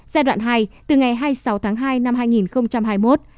giai đoạn hai từ ngày hai mươi sáu tháng hai năm hai nghìn hai mươi một